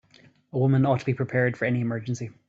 A woman ought to be prepared for any emergency.